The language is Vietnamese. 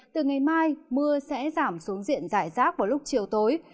từ ngày mai mưa sẽ giảm xuống diện giải rác vào lúc chiều tối